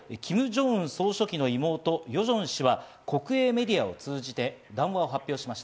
今日、キム・ジョンウン総書記の妹・ヨジョン氏は国営メディアを通じて談話を発表しました。